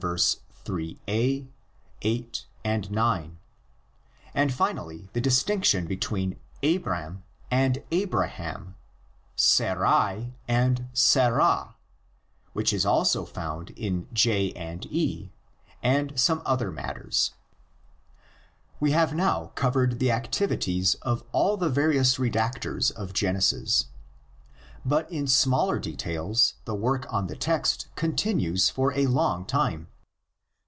3a,, 8, 9; and finally the distinction between Abram and Abraham, Sarai and Sarah, which is also found in J and E, and some other matters. We have now covered the activities of all the various redactors of Genesis. But in smaller details the work on the text (Diaskeuase) continues for a long time.